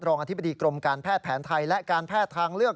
อธิบดีกรมการแพทย์แผนไทยและการแพทย์ทางเลือก